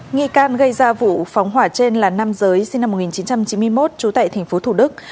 nghi can gây ra vụ phóng hỏa trên là nam giới sinh năm một nghìn chín trăm chín mươi một trú tại tp thủ đức